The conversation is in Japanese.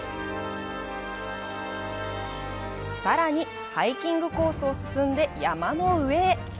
さらに、ハイキングコースを進んで山の上へ。